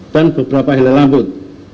dan beberapa hilai rambut